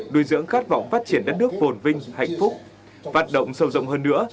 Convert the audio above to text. đuôi dưỡng khát vọng phát triển đất nước vồn vinh hạnh phúc phát động sâu rộng hơn nữa